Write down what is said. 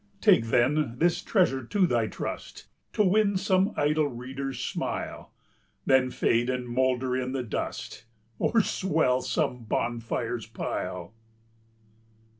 Take, then, this treasure to thy trust, To win some idle reader's smile, Then fade and moulder in the dust, Or swell some bonfire's pile.